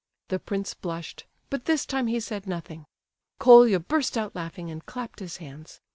The prince blushed, but this time he said nothing. Colia burst out laughing and clapped his hands.